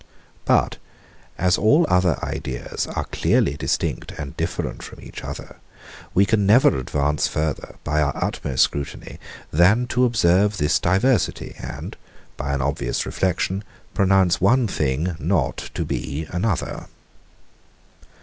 But as all other ideas are clearly distinct and different from each other, we can never advance farther, by our utmost scrutiny, than to observe this diversity, and, by an obvious reflection, pronounce one thing not to be another.